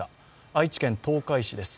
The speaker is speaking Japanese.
愛知県東海市です。